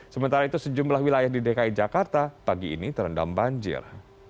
sementara itu sejumlah wilayah di dki jakarta pagi ini terendam banjir